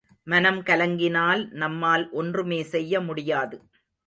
மனம் கலங்கினால் நம்மால் ஒன்றுமே செய்ய முடியாது.